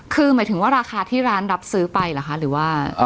คือหมายถึงว่าราคาที่ร้านรับซื้อไปเหรอคะหรือว่า